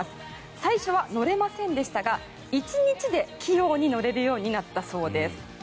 最初は乗れませんでしたが１日で器用に乗れるようになったそうです。